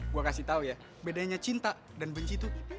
gue kasih tau ya bedanya cinta dan benci tuh